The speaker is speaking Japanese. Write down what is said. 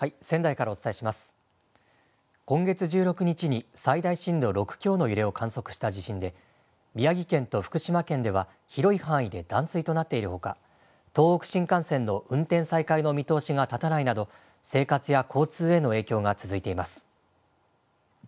今月１６日に最大震度６強の揺れを観測した地震で、宮城県と福島県では、広い範囲で断水となっているほか、東北新幹線の運転再開の見通しが立たないなど、生活や交通への影響が続いています。